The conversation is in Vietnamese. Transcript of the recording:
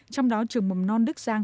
trong đó trường mầm non đức giang